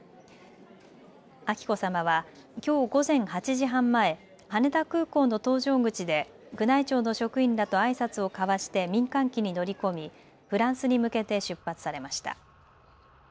彬子さまはきょう午前８時半前、羽田空港の搭乗口で宮内庁の職員らとあいさつを交わして民間機に乗り込みフランスに向けて出発されました。